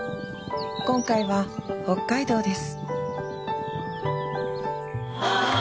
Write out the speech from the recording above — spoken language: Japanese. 今回は北海道です